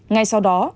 ngay sau đó